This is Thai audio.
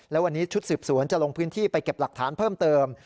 และวันนี้ชุดสืบสวนจะลงพื้นที่ไปเก็บหลักฐานเพิ่มเติม